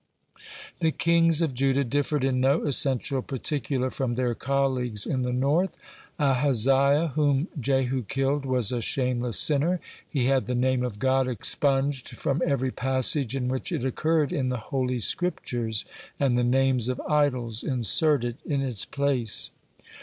The kings of Judah differed in no essential particular from their colleagues in the north. Ahaziah, whom Jehu killed, was a shameless sinner; he had the Name of God expurged from every passage in which it occurred in the Holy Scriptures, and the names of idols inserted in its place.